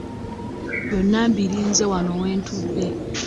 Byonna mbirinze wano we ntudde.